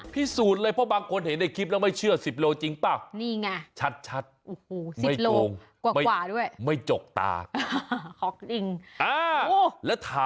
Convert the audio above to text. พิสูจน์เลยเพราะบางคนเห็นในคลิปแล้วไม่เชื่อ๑๐โลจริงเปล่า